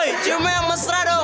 woy ciumnya yang mesra dong